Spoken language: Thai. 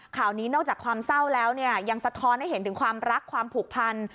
ข่าวนี้นอกจากความเศร้าแล้วเนี่ยยังสะท้อนให้เห็นถึงความรักความผูกพัน